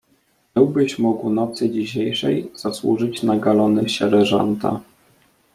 "Byłbyś mógł nocy dzisiejszej zasłużyć na galony sierżanta."